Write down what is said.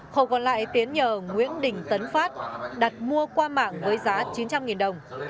khẩu còn lại tiến nhờ nguyễn đình tấn phát đặt mua qua mạng với giá chín trăm linh đồng